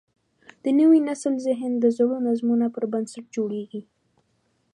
د نوي نسل ذهن د زړو نظمونو پر بنسټ جوړېږي.